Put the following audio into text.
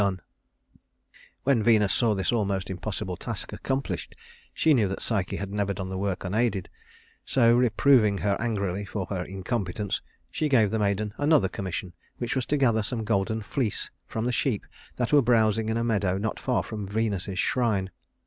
[Illustration: Charon and Psyche] When Venus saw this almost impossible task accomplished, she knew that Psyche had never done the work unaided; so reproving her angrily for her incompetence, she gave the maiden another commission, which was to gather some golden fleece from the sheep that were browsing in a meadow not far from Venus's shrine.